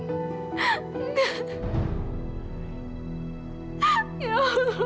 kami tidak punya pilihan lain